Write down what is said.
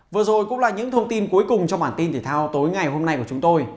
vừa rồi cũng là những thông tin cuối cùng trong bản tin thể thao tối ngày hôm nay của chúng tôi